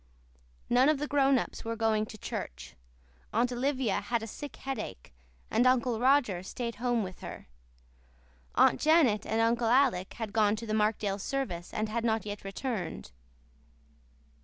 None of the grown ups were going to church. Aunt Olivia had a sick headache and Uncle Roger stayed home with her. Aunt Janet and Uncle Alec had gone to the Markdale service and had not yet returned.